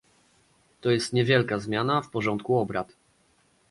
To jest niewielka zmiana w porządku obrad